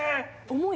重い？